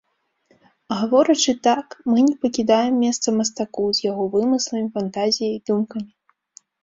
Гаворачы так, мы не пакідаем месца мастаку, з яго вымысламі, фантазіяй, думкамі.